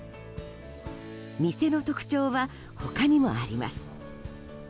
店の特徴は他にもあります。